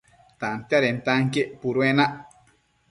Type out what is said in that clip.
Tantiadentanquien puduenac